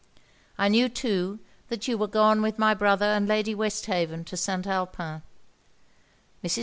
I knew, too, that you were gone with my brother and Lady Westhaven to St. Alpin. Mrs.